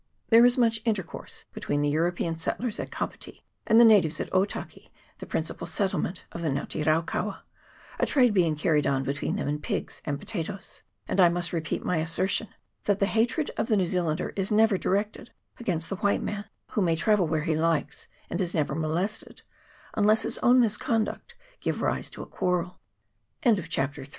There is much intercourse between the European settlers at Kapiti and the natives at Otaki, the principal settle ment of the Nga te raukaua, a trade being carried on between them in pigs and potatoes : and I must repeat my assertion that the hatred of the New Zealander is never directed against the white man, who may travel where he likes, and is never molest